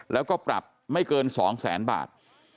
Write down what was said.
แล้วก็ปรับไม่เกิน๒แสนบาท